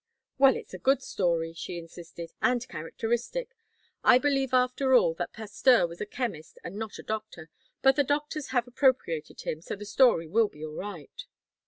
"Well, it's a good story," she insisted; "and characteristic. I believe after all that Pasteur was a chemist and not a doctor, but the doctors have appropriated him, so the story will be all right."